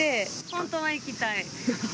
本当は行きたい。